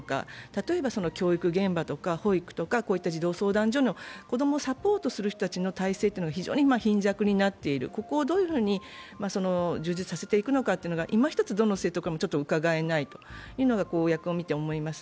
例えば教育現場とか保育とかこういった児童相談所の子供をサポートする人たちの体制は非常に貧弱になっている、ここをどういうふうに充実させていくのかというのが、いまひとつどの政党からもちょっとうかがえないというのが、公約を見て思います。